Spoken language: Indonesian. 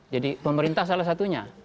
jadi pemerintah salah satunya